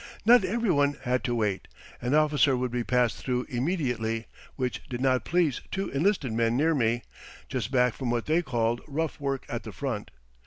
Not every one had to wait. An officer would be passed through immediately, which did not please two enlisted men near me, just back from what they called rough work at the front.